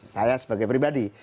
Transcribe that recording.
saya sebagai pribadi